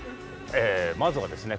まずはですね